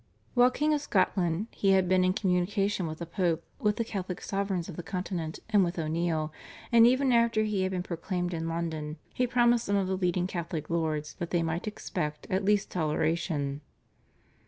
While King of Scotland he had been in communication with the Pope, with the Catholic sovereigns of the Continent, and with O'Neill, and even after he had been proclaimed in London he promised some of the leading Catholic lords that they might expect at least toleration.